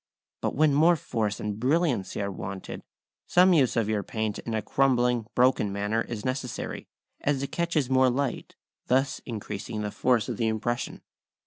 But when more force and brilliancy are wanted, some use of your paint in a crumbling, broken manner is necessary, as it catches more light, thus increasing the force of the impression.